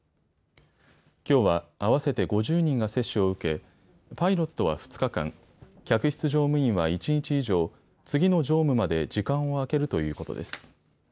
きょうは合わせて５０人が接種を受けパイロットは２日間、客室乗務員は１日以上、次の乗務まで時間を空けるということです。